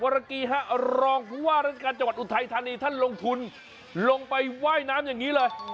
รกีฮะรองผู้ว่าราชการจังหวัดอุทัยธานีท่านลงทุนลงไปว่ายน้ำอย่างนี้เลย